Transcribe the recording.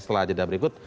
setelah jeda berikut